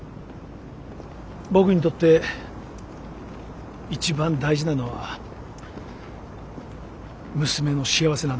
僕にとって一番大事なのは娘の幸せなんです。